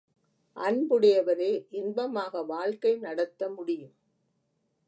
அன்புடையவரே இன்பமாக வாழ்க்கை நடத்த முடியும்.